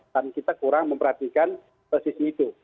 tapi kita kurang memperhatikan sisi itu